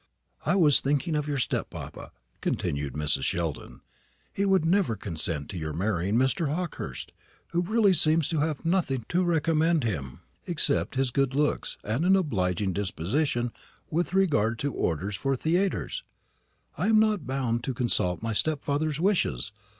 "I was thinking of your step papa," continued Mrs. Sheldon. "He would never consent to your marrying Mr. Hawkehurst, who really seems to have nothing to recommend him except his good looks and an obliging disposition with regard to orders for the theatres." "I am not bound to consult my stepfather's wishes.